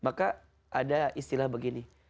maka ada istilah begini